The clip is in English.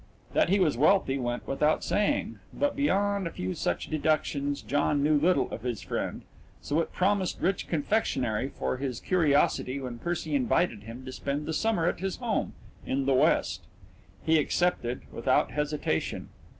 That he was wealthy went without saying, but beyond a few such deductions John knew little of his friend, so it promised rich confectionery for his curiosity when Percy invited him to spend the summer at his home "in the West." He accepted, without hesitation.